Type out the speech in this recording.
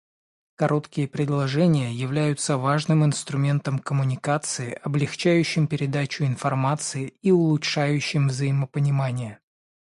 Короткие предложения являются важным инструментом коммуникации, облегчающим передачу информации и улучшающим взаимопонимание.